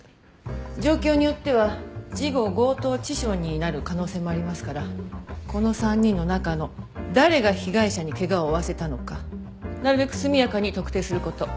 状況によっては事後強盗致傷になる可能性もありますからこの３人の中の誰が被害者に怪我を負わせたのかなるべく速やかに特定する事。